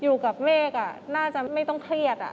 อยู่กับเมฆน่าจะไม่ต้องเครียด